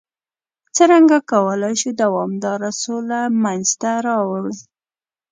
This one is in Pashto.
څرنګه کولای شو دوامداره سوله منځته راوړ؟